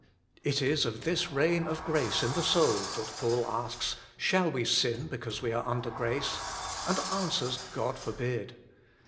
It is of this reign of grace in the soul that Paul asks, " Shall we sin because we are under grace ?" and answers, " God forbid."